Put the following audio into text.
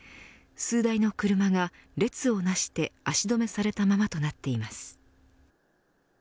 数台の車が列をなして、足止めされたままとなっています。